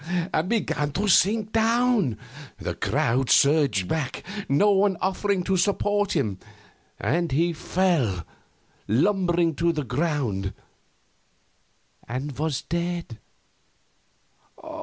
and began to sink down. The crowd surged back, no one offering to support him, and he fell lumbering to the ground and was dead.